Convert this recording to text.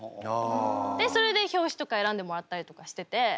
でそれで表紙とか選んでもらったりとかしてて。